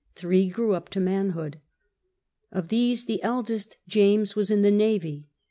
Three grew up to manhood. Of these the eldest, James, was in the navy.